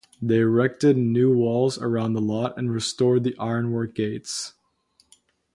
They erected new walls around the lot and restored the ironwork gates.